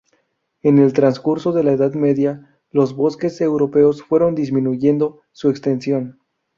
En el transcurso de la Edad Media, los bosques europeos fueron disminuyendo su extensión.